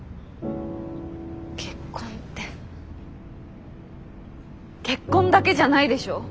結婚って結婚だけじゃないでしょ！